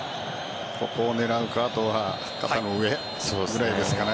ここを狙うかあとは上ぐらいですかね。